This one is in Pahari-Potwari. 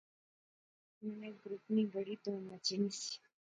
انیں نے گروپ نی بڑی دھوم مچی نی سی